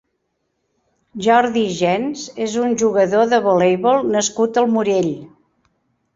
Jordi Gens és un jugador de voleibol nascut al Morell.